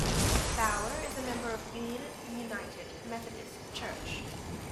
Bauer is a member of Union United Methodist Church.